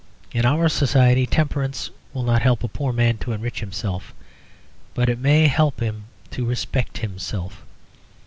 In our society, temperance will not help a poor man to enrich himself, but it may help him to respect himself.